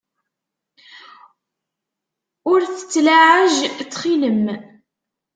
Ur tettlaɛaj ttxil-m.